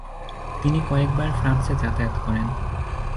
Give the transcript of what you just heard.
তিনি কয়েকবার ফ্রান্সে যাতায়াত করেন।